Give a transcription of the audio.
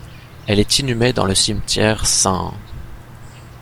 Elle est inhumée dans le Cimetière St.